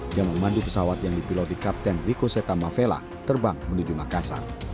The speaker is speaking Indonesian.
yang memandu pesawat yang dipilodi kapten rico seta mavella terbang menuju makassar